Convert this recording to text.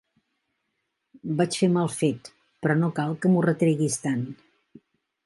Vaig fer mal fet, però no cal que m'ho retreguis tant.